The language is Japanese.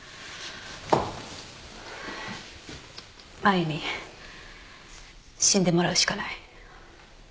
マユに死んでもらうしかない